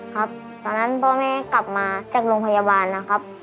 ครับตอนนั้นพ่อแม่กลับมาจากโรงพยาบาลนะครับ